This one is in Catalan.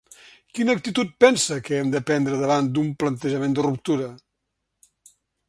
Quina actitud pensa que hem de prendre davant d’un plantejament de ruptura?